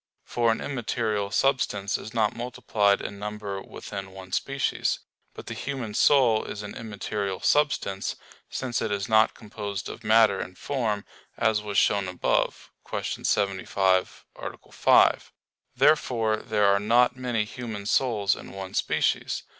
For an immaterial substance is not multiplied in number within one species. But the human soul is an immaterial substance; since it is not composed of matter and form as was shown above (Q. 75, A. 5). Therefore there are not many human souls in one species.